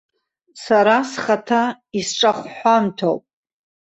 Сара схаҭа исҿахәҳәамҭоуп.